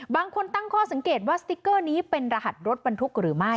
บางคนตั้งข้อสังเกตว่าสติ๊กเกอร์นี้เป็นรหัสรถบรรทุกหรือไม่